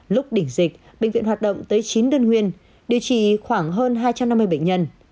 lúc đỉnh dịch bệnh viện hoạt động tới chín đơn nguyên điều trị khoảng hơn hai trăm năm mươi bệnh nhân